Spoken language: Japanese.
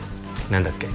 何だっけ？